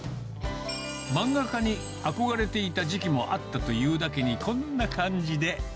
漫画家に憧れていた時期もあったというだけに、こんな感じで。